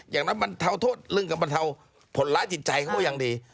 อย่างนั้นบรรเทาโทษเรื่องการบรรเทาผลล้ายจิตใจเขาก็ยังดี